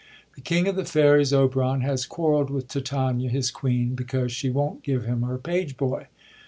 The king of the fairies, Oberon, has quarreld with Titania his queen, because she won't give him her page boy.